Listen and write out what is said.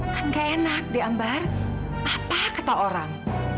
kan gak enak deh ambar apa kata orang